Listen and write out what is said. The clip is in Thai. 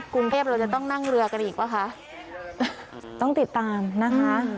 กรุงเทพเราจะต้องนั่งเรือกันอีกป่ะคะต้องติดตามนะคะ